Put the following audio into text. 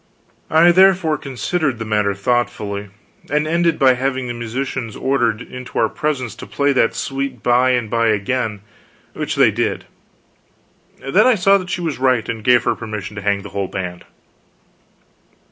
I therefore considered the matter thoughtfully, and ended by having the musicians ordered into our presence to play that Sweet Bye and Bye again, which they did. Then I saw that she was right, and gave her permission to hang the whole band.